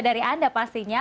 dari anda pastinya